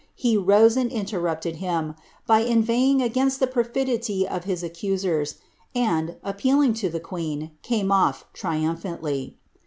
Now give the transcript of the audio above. he rose and interrupted him, by inveighing against the pertdy rf his arcusersi and, appealing '' .came off iriumphanlly.'